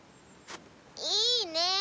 いいね。